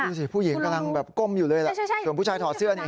สิผู้หญิงกำลังแบบก้มอยู่เลยแหละส่วนผู้ชายถอดเสื้อนี่